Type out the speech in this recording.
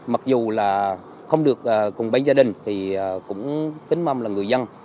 mặc dù là không được cùng bên gia đình thì cũng kính mong là người dân